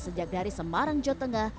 sejak dari semarang jawa tengah